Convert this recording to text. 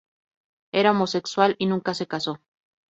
Era homosexual y nunca se casó.